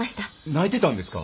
泣いてたんですか？